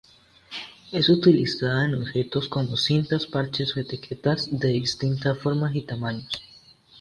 Es utilizada en objetos como cintas, parches o etiquetas de distintas formas y tamaños.